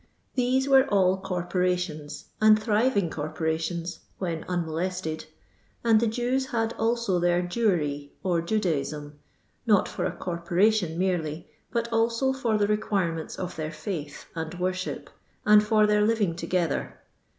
These were all corpontioni, and thririitff corporations (when unmolested), and the Jews nad also their Jewerie, or Jadatsme, not for a " corporation " merelj, bat also for the requirements of their fisith and worship, and for their living together.